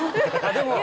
でも。